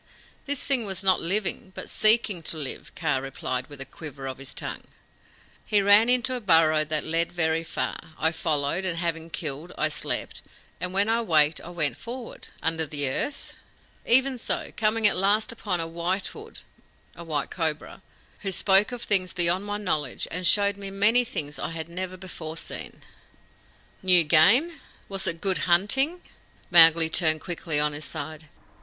"This thing was not living, but seeking to live," Kaa replied, with a quiver of his tongue. "He ran into a burrow that led very far. I followed, and having killed, I slept. When I waked I went forward." "Under the earth?" "Even so, coming at last upon a White Hood [a white cobra], who spoke of things beyond my knowledge, and showed me many things I had never before seen." "New game? Was it good hunting?" Mowgli turned quickly on his side.